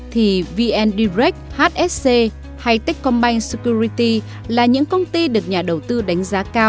thì vn direct hsc hay tech combined security là những công ty được nhà đầu tư đánh giá